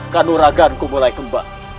kanuraganku mulai kembang